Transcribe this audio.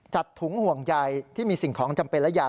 จัดถุงห่วงใยที่มีสิ่งของจำเป็นและยา